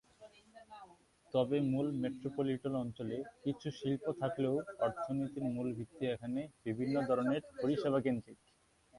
তবে মূল মেট্রোপলিটান অঞ্চলে কিছু শিল্প থাকলেও অর্থনীতির মূল ভিত্তি এখানে বিভিন্ন ধরনের পরিষেবাকেন্দ্রিক।